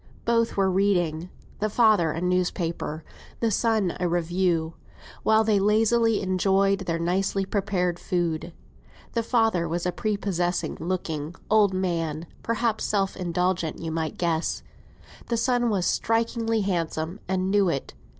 Both were reading; the father a newspaper, the son a review, while they lazily enjoyed their nicely prepared food. The father was a prepossessing looking old man; perhaps self indulgent you might guess. The son was strikingly handsome, and knew it.